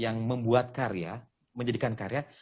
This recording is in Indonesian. yang membuat karya menjadikan karya